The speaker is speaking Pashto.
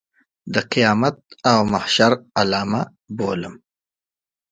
د قیامت او محشر علامه بولم.